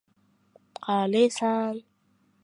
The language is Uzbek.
Ko`z oldim xiralashib, bari birdan ayqash-uyqash bo`lib ketdi